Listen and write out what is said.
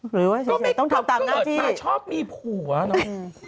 หล่ะชอบมีผัวเนอะ